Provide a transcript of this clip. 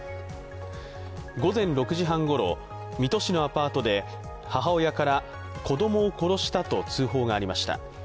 午前６時半ごろ、水戸市のアパートで母親から子供を殺したと通報がありました。